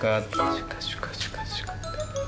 シュカシュカシュカシュカ。